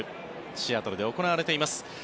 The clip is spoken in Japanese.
シアトルで行われています。